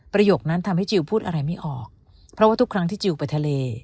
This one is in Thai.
โยคนั้นทำให้จิลพูดอะไรไม่ออกเพราะว่าทุกครั้งที่จิลไปทะเล